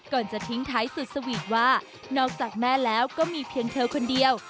ก่อนจะทิ้งท้ายสุดสวีทว่านอกจากแม่แล้วก็มีเพียงเธอคนเดียว